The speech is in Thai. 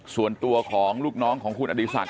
ส่วนตัวของลูกน้องของคุณอดีศักดิ